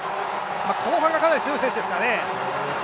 後半がかなり強い選手ですからね。